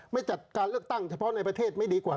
ไม่จัดการเลือกตั้งเฉพาะในประเทศไม่ดีกว่า